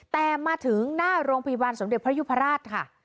แต่มาถึงหน้าโรงพยาบาลสมเด็จพระยุพราชค่ะ